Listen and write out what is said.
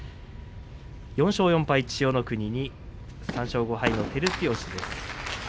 ４勝４敗千代の国に３勝５敗の照強です。